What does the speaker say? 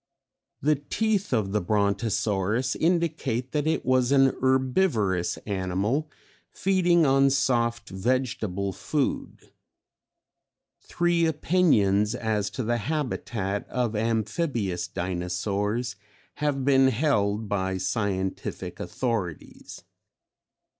"The teeth of the Brontosaurus indicate that it was an herbivorous animal, feeding on soft vegetable food. Three opinions as to the habitat of Amphibious Dinosaurs have been held by scientific authorities.